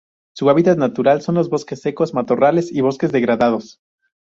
Su hábitat natural son los bosques secos, matorrales y bosques degradados.